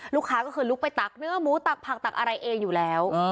ลูกค้าก็คือลุกไปตักเนื้อหมูตักผักตักอะไรเองอยู่แล้ว